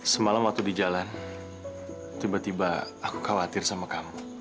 semalam waktu di jalan tiba tiba aku khawatir sama kamu